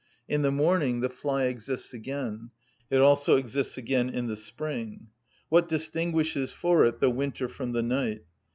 In the morning the fly exists again; it also exists again in the spring. What distinguishes for it the winter from the night?